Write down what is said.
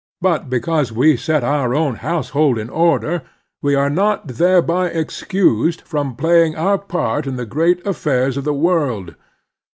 But because we set our own household in order we are not thereby excused from pla3ring our part in the great affairs of the world.